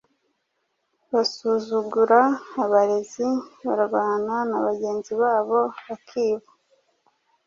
basuzugura abarezi, barwana na bagenzi babo, bakiba,